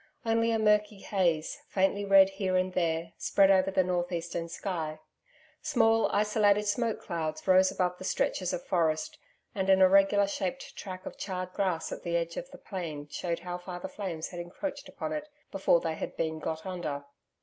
Only a murky haze, faintly red here and there, spread over the north eastern sky. Small, isolated smoke clouds rose above the stretches of forest, and an irregular shaped tract of charred grass at the edge of the plain showed how far the flames had encroached upon it before they had been got under.